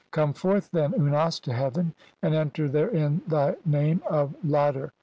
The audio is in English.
Come forth, then, 'Unas, to heaven, and enter therein in thy name of ' 'Ladder'.